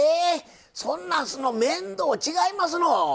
そんなんすんの面倒違いますの？